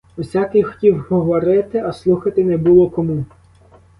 Усякий хотів говорити, а слухати не було кому.